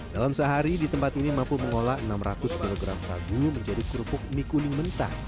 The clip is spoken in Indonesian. dalam sehari di tempat ini mampu mengolah enam ratus kg sagu menjadi kerupuk mie kuning mentah